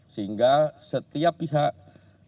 sehingga setiap pihak yang memiliki kepentingan untuk mencari